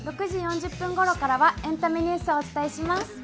６時４０分ごろからはエンタメニュースをお伝えします。